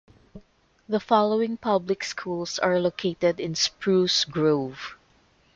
The following public schools are located in Spruce Grove.